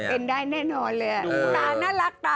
เป็นได้แน่นอนเลย